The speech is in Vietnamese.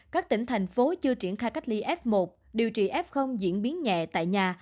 các tỉnh thành phố chưa triển khai cách ly f một điều trị f diễn biến nhẹ tại nhà